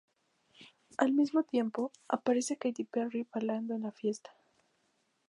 Al mismo tiempo, aparece Katy Perry bailando en la fiesta.